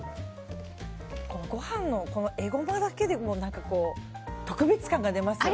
ご飯も、エゴマだけで特別感が出ますね。